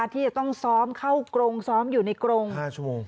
ที่จะต้องซ้อมเข้ากรงซ้อมอยู่ในกรง๕ชั่วโมง